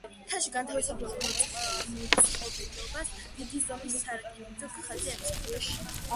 მთაში განთავსებულ მოწყობილობას დიდი ზომის სარკინიგზო ხაზი ემსახურება.